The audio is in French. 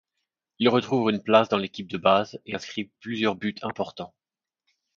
Il retrouve une place dans l'équipe de base et inscrit plusieurs buts importants.